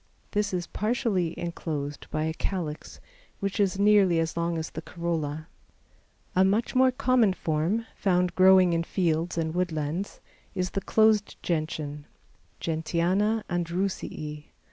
This is partially enclosed by a calyx, which is nearly as long as the corolla. A much more common form, found growing in fields and woodlands, is the closed Gentian (Gentiana Andrewsii).